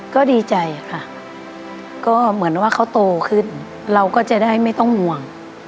ก็ดีใจค่ะก็เหมือนว่าเขาโตขึ้นเราก็จะได้ไม่ต้องห่วง